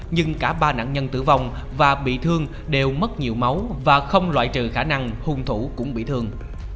nhưng cả ba nạn nhân tử vong và bị thương đều mất nhiều máu và không loại trừ khả năng hung thủ cũng bị thương